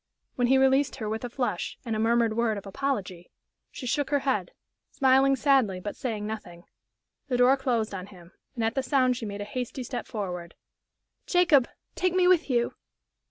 When he released her with a flush and a murmured word of apology she shook her head, smiling sadly but saying nothing. The door closed on him, and at the sound she made a hasty step forward. "Jacob! Take me with you!"